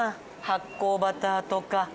発酵バターとか。